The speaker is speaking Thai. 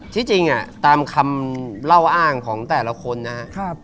ที่จริงตามคำเล่าอ้างของแต่ละคนนะครับ